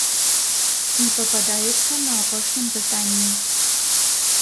І пападаецца на апошнім пытанні.